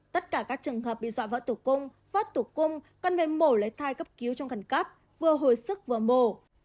tất cả các trường hợp bị dọa vỡ tủ cung vỡ tủ cung cần phải mổ lấy thai cấp cứu trong cần cấp vừa hồi sức vừa mổ